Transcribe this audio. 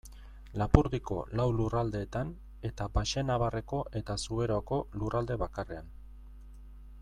Lapurdiko lau lurraldetan, eta Baxenabarreko eta Zuberoako lurralde bakarrean.